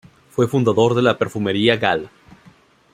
Fue fundador de Perfumería Gal.